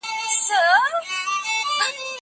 مېوې د زهشوم له خوا خوړل کيږي؟!